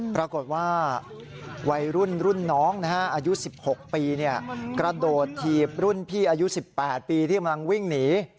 วัยรุ่นรุ่นน้องอายุ๑๖ปีกระโดดถีบรุ่นพี่อายุ๑๘ปีที่กำลังวิ่งหนี